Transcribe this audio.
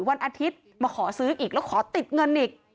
วันอาทิตย์มาขอซื้ออีกแล้วขอติดเงินอีก